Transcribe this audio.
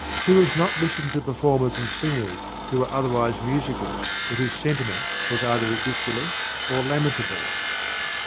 Who has not listened to performers and singers who were otherwise musical, but whose sentiment was either ridiculous or lamentable?